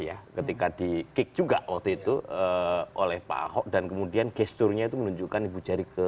ya ketika di kick juga waktu itu oleh pak ahok dan kemudian gesturnya itu menunjukkan ibu jari ke